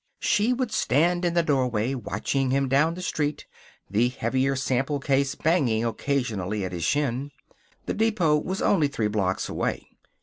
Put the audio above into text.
She would stand in the doorway, watching him down the street, the heavier sample case banging occasionally at his shin. The depot was only three blocks away.